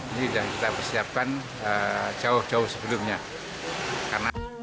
ini sudah kita persiapkan jauh jauh sebelumnya